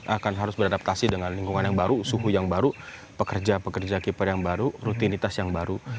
akan harus beradaptasi dengan lingkungan yang baru suhu yang baru pekerja pekerja keeper yang baru rutinitas yang baru